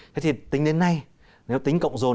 thế thì tính đến nay nếu tính cộng dồn